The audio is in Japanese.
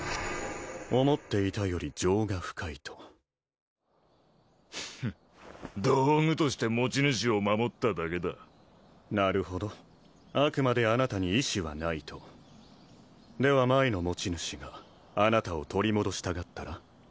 思っていたより情が深いとフッ道具として持ち主を守っただけだなるほどあくまであなたに意思はないとでは前の持ち主があなたを取り戻したがったら？